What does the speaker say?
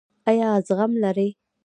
ایا زغم لرئ؟